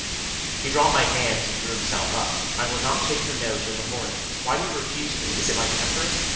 He dropped my hands and drew himself up. "I will not take your No till the morning. Why do you refuse me? Is it my temper?